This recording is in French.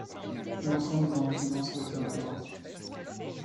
L'ensemble est en résidence à l'opéra de Reims.